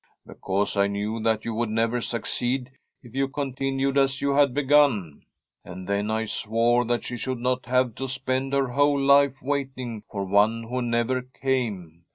' Because I knew that you would never suc ceed if you continued as you had begun. And then I swore that she should not have to spend her whole life waiting for one who never came.